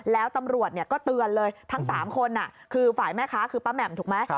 แล้วตำรวจก็เตือนเลยทั้ง๓คนคือฝ่ายแม่ค้าคือป้าแหม่มถูกไหม